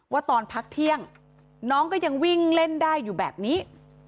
ตอนพักเที่ยงน้องก็ยังวิ่งเล่นได้อยู่แบบนี้